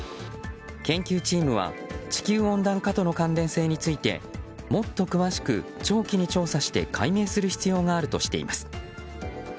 研究チームは地球温暖化との関連性についてもっと詳しく長期に調査して解明する必要があるとしています。